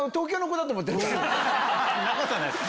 そんなことないです